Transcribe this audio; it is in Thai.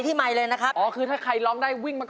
ให้มันอย่าคืนยอดมา